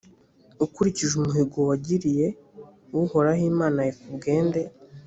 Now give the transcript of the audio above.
ukurikije umuhigo wagiriye uhoraho imana yawe ku bwende,